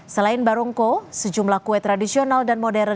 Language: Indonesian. selain barongko sejumlah kue tradisional dan modern